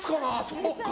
そうか。